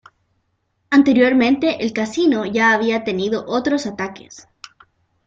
Anteriormente el casino ya había tenido otros ataques.